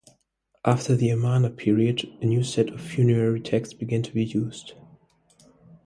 After the Amarna Period, a new set of funerary texts began to be used.